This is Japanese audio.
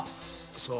そう。